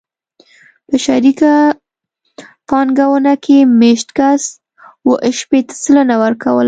په شریکه پانګونه کې مېشت کس اوه شپېته سلنه ورکوله